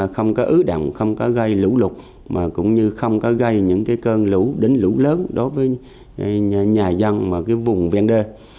không có gây những cơn lũ đến lũ lớn đối với nhà dân và vùng viên đê